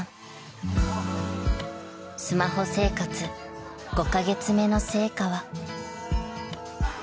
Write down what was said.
［スマホ生活５カ月目の成果は］